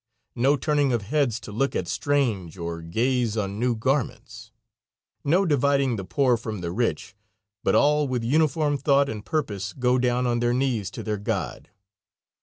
No turning of heads to look at strange or gaze on new garments; no dividing the poor from the rich, but all with uniform thought and purpose go down on their knees to their God.